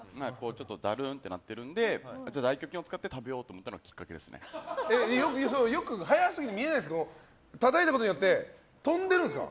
だるんってなってるので大胸筋を使って食べようと思ったのが速すぎて見えないんですけどたたいたことによって飛んでるんですか？